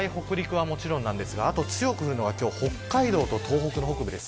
東海、北陸はもちろんなんですが強く降るのは北海道と東北の北部です。